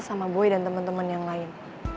sama boy dan temen temen yang lain